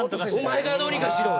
お前がどうにかしろ。